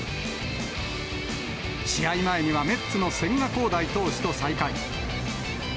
試合前には、メッツの千賀滉大投手と再会。